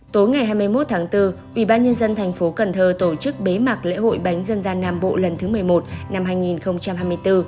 tối ngày hai mươi một tháng bốn ubnd tp cần thơ tổ chức bế mạc lễ hội bánh dân gian nam bộ lần thứ một mươi một năm hai nghìn hai mươi bốn